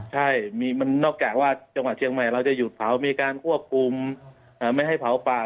ใช่มันนอกจากว่าจังหวัดเชียงใหม่เราจะหยุดเผามีการควบคุมไม่ให้เผาป่า